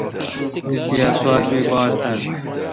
ایس یا سوات می باس تھال۔